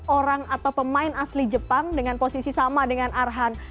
orang atau pemain asli jepang dengan posisi sama dengan arhan